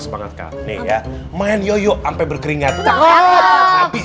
semangat kali ya main yoyo sampai berkeringat takut habis